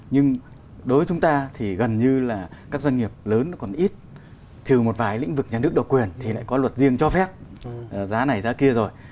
nhưng đối với chúng ta thì gần như là các doanh nghiệp lớn còn ít trừ một vài lĩnh vực nhà nước độc quyền thì lại có luật riêng cho phép giá này giá kia rồi